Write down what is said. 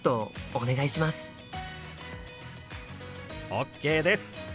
ＯＫです！